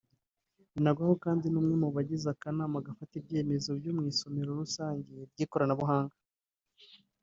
Binagwaho kandi ni umwe mu bagize akanama gafata ibyemezo byo mu isomero rusange ry’ikoranabuhanga